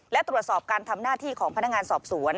และตรวจสอบการทำหน้าที่ของพนักงานสอบสวน